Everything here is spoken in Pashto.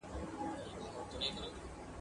زه دي پزه پرې کوم، ته پېزوان را څخه غواړې.